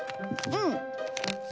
うん。